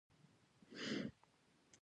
ما ورته یوه ورځ وې ـ